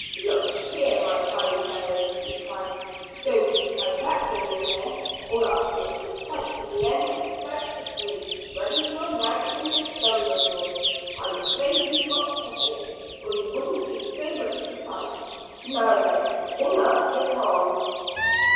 "Look here, my fine fellow," he cried, "don't you try that game again, or I'll fix a spike to the end of a stout hickory ready for lancing those gums of yours. I'm afraid you've got toothache, or you wouldn't be so ready to bite. Now then, ring up. Get on."